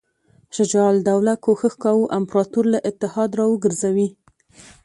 شجاع الدوله کوښښ کاوه امپراطور له اتحاد را وګرځوي.